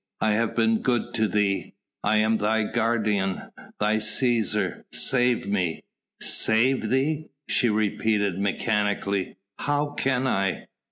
I have been good to thee.... I am thy guardian thy Cæsar ... save me...." "Save thee?" she repeated mechanically, "how can I?"